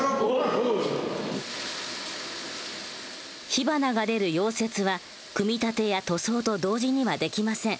火花が出る溶接は組み立てや塗装と同時にはできません。